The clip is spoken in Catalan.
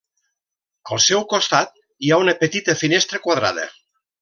Al seu costat hi ha una petita finestra quadrada.